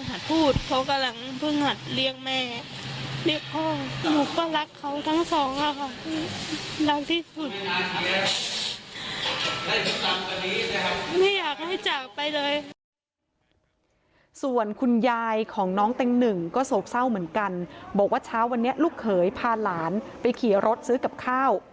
ก่อนกลับมาก็ไม่ได้รู้ว่าน้องเต็มหนึ่งจะถึงบ้านอยู่แล้ว